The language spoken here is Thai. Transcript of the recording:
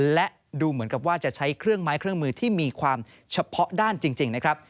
และดูเหมือนกับว่าจะใช้เครื่องไม้เครื่องมือที่มีความเฉพาะด้านจริงนะครับ